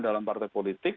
dalam partai politik